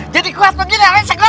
jadi kuat begini